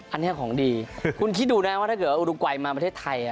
อันนี้ของดีคุณคิดดูนะว่าถ้าเกิดอุรุงไกรมาประเทศไทย